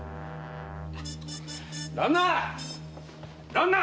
旦那！